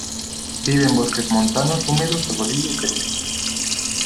Vive en bosques montanos húmedos de Bolivia y Perú.